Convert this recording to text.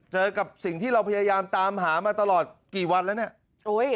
เจอกับสิ่งที่เราพยายามตามหามาตลอดกี่วันแล้วเนี่ย